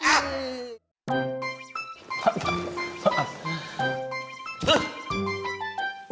pak pak maaf